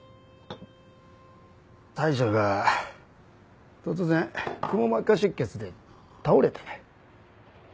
大将が突然くも膜下出血で倒れてね。